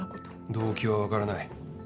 動機はわからない。